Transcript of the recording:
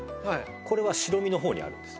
これは白身の方にあるんです。